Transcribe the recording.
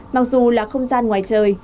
mặc dù là không gian ngoài trời